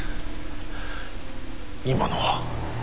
今のは。